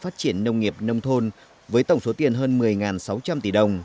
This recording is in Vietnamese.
phát triển nông nghiệp nông thôn với tổng số tiền hơn một mươi sáu trăm linh tỷ đồng